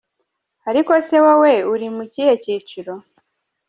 Ariko se wowe uri mu cyihe cyiciro?